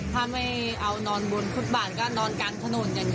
ถ้าไม่เอานอนบนฟุตบาทก็นอนกลางถนนอย่างนี้